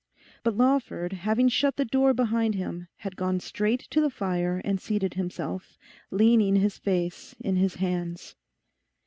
But Lawford, having shut the door behind him, had gone straight to the fire and seated himself, leaning his face in his hands.